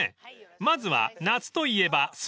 ［まずは夏といえばスイカ］